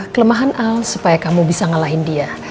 kelemahan al supaya kamu bisa ngalahin dia